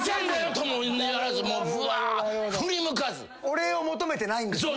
お礼を求めてないんですね？